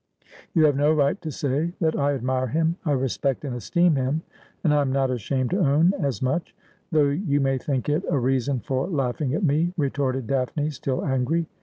' You have no right to say that I admire him. I respect and esteem him, and I am not ashamed to own as much, though you may think it a reason for laughing at me,' retorted Daphne, still angry.